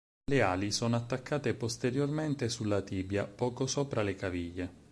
Le ali sono attaccate posteriormente sulla tibia poco sopra le caviglie.